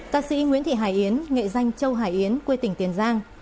ca sĩ nguyễn thị hải yến nghệ danh châu hải yến quê tỉnh tiền giang